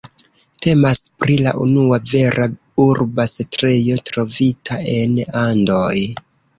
Temas pri la unua vera urba setlejo trovita en Andoj.